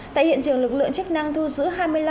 tại hiện trường lực lượng chức năng thu giữ